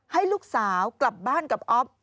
ให้ลูกสาวกลับบ้านกับอ๊อฟ